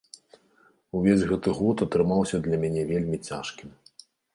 Увесь гэты год атрымаўся для мяне вельмі цяжкім.